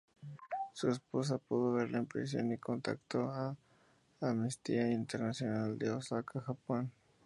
Su esposa pudo verlo en prisión y contactó con Amnistía Internacional de Osaka, Japón.